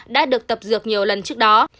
đã được tập dược nhiều lần trước đó